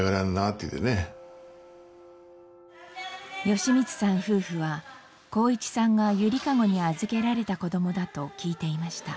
美光さん夫婦は航一さんがゆりかごに預けられた子どもだと聞いていました。